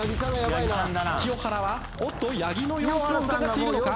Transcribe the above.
清原はおっと八木の様子をうかがっているのか？